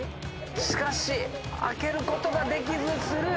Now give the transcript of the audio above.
しかし開けることができずスルー。